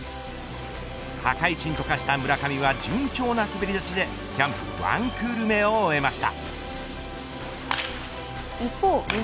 破壊神と化した村上は順調な滑り出しでキャンプワンクール目を終えました。